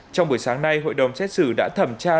trong buổi sáng nay hội đồng xét xử đã thẩm tra